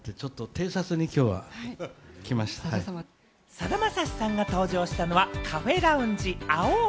さだまさしさんが登場したのはカフェラウンジ・ＡＯＵ